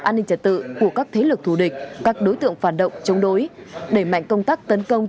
an ninh trật tự của các thế lực thù địch các đối tượng phản động chống đối đẩy mạnh công tác tấn công